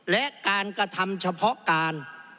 และการกระทำเฉพาะการ